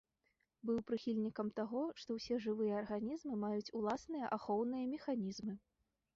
Быў прыхільнікам таго, што ўсе жывыя арганізмы маюць уласныя ахоўныя механізмы.